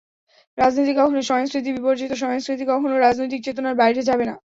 রাজনীতি কখনো সংস্কৃতি বিবর্জিত, সংস্কৃতি কখনো রাজনৈতিক চেতনার বাইরে যাবে না।